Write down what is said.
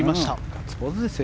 ガッツポーズですよ